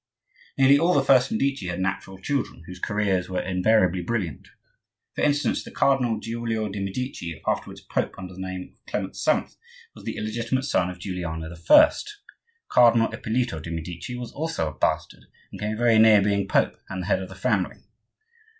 Nearly all the first Medici had natural children, whose careers were invariably brilliant. For instance, the Cardinal Giulio de' Medici, afterwards Pope under the name of Clement VII., was the illegitimate son of Giuliano I. Cardinal Ippolito de' Medici was also a bastard, and came very near being Pope and the head of the family.